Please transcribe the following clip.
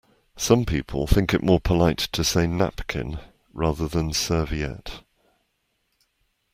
Some people think it more polite to say napkin rather than serviette